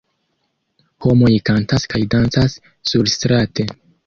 Homoj kantas kaj dancas surstrate.